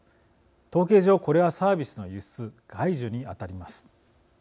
統計上、これはサービスの輸出外需に当たります。